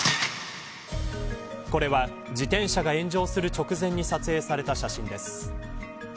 これは、自転車が炎上する直前に撮影された写真です。